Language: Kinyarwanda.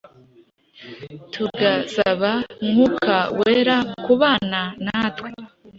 tugasaba Mwuka Wera kubana natwe